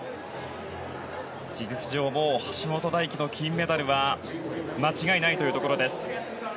事実上、もう橋本大輝の金メダルは間違いないところです。